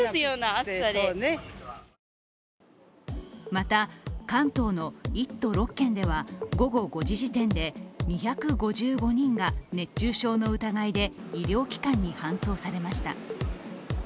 また、関東の１都６県では午後５時時点で２５５人が熱中症の疑いで医療機関に搬送されました。